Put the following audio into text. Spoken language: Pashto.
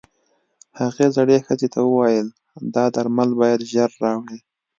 هغې زړې ښځې ته وويل دا درمل بايد ژر راوړې.